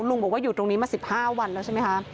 ลุงบอกว่าอยู่ตรงนี้มา๑๕วันแล้วใช่ไหมคะ